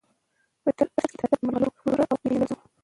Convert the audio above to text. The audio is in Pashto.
په ترڅ کي د ادب د مرغلرو پوره او پیژندل شوي